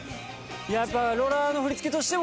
やっぱ。